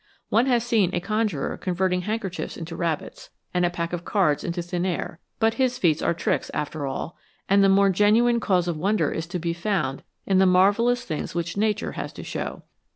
One has seen a conjurer converting handkerchiefs into rabbits, and a pack of cards into thin air, but his feats are tricks after all, and the more genuine cause of wonder is to be found in the marvel lous things which Nature has to show.